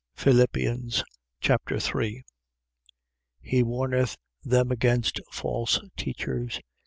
Philippians Chapter 3 He warneth them against false teachers.